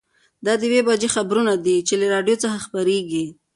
دا د یوې بجې خبرونه دي چې له راډیو څخه خپرېږي.